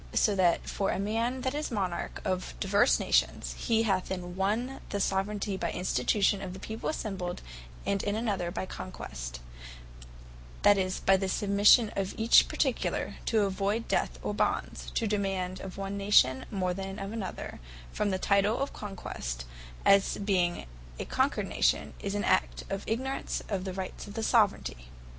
So that for a man that is Monarch of divers Nations, whereof he hath, in one the Soveraignty by Institution of the people assembled, and in another by Conquest, that is by the Submission of each particular, to avoyd death or bonds; to demand of one Nation more than of the other, from the title of Conquest, as being a Conquered Nation, is an act of ignorance of the Rights of Soveraignty.